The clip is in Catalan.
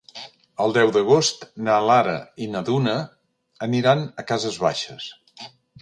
El deu d'agost na Lara i na Duna aniran a Cases Baixes.